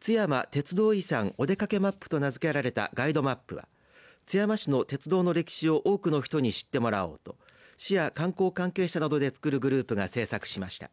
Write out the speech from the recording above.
つやま鉄道遺産おでかけＭＡＰと名付けられたガイドマップは津山市の鉄道の歴史を多くの人に知ってもらおうと市や観光関係者などでつくるグループが制作しました。